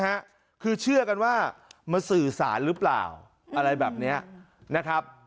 คือเชื่อกันว่ามาสื่อสารหรือเปล่าอะไรแบบเนี้ยนะครับ